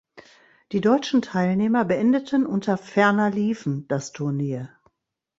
Die deutschen Teilnehmer beendeten unter ferner liefen das Turnier.